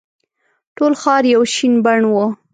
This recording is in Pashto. ټول ښار یو شین بڼ وو.